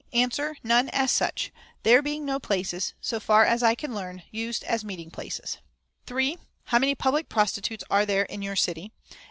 "Answer. None as such; there being no places, so far as I can learn, used as meeting places. "3. How many public prostitutes are there in your city?